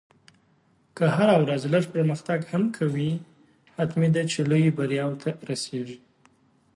که هره ورځ لږ پرمختګ هم کوې، حتمي ده چې لویو بریاوو ته رسېږې.